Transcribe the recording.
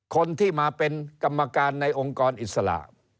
คนที่มาเป็นกรรมการในองค์กรอิสระ